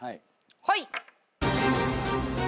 はい。